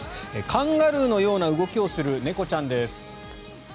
カンガルーのような動きをする猫ちゃんです。